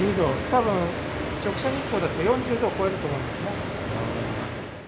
たぶん、直射日光だと４０度超えると思いますね。